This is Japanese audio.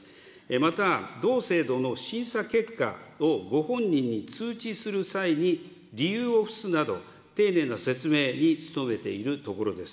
また、同制度の審査結果をご本人に通知する際に、理由を付すなど、丁寧な説明に努めているところです。